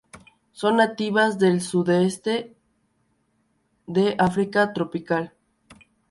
Son nativas del sudeste de África tropical.